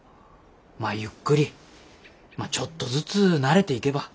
まあゆっくりちょっとずつ慣れていけば。